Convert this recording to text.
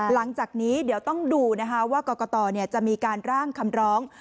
หลังจากนี้เดี๋ยวต้องดูนะคะว่ากรกตจะมีการร่างคำร้อง